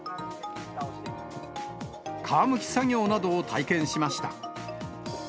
皮むき作業などを体験しました。